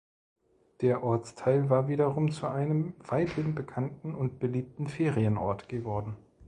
Der Ortsteil war wiederum zu einem weithin bekannten und beliebten Ferienort geworden.